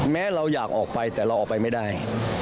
แม้เราอยากออกไปแต่เราออกไปไม่ได้